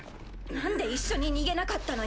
なんで一緒に逃げなかったのよ？